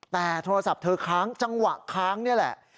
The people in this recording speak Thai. แต่โทรศัพท์เธอค้างจังหวะค้างนี่แหละ